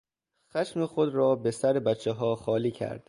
خشم خود را به سر بچهها خالی کرد.